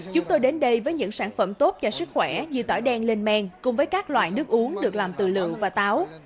chúng tôi đến đây với những sản phẩm tốt cho sức khỏe như tỏi đen lên men cùng với các loại nước uống được làm từ lượng và táo